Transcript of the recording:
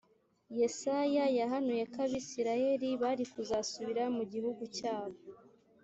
yesaya yahanuye ko abisirayeli bari kuzasubira mu gihugu cyabo